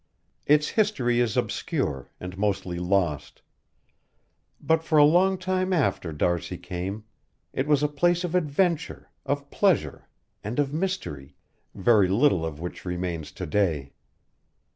Its history is obscure, and mostly lost. But for a long time after D'Arcy came it was a place of adventure, of pleasure, and of mystery, very little of which remains to day.